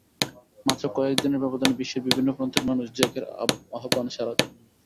মাত্র কয়েক দিনের ব্যবধানে বিশ্বের বিভিন্ন প্রান্তের মানুষ জ্যাকের আহ্বানে সাড়া দেন।